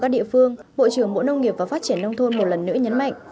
các địa phương bộ trưởng bộ nông nghiệp và phát triển nông thôn một lần nữa nhấn mạnh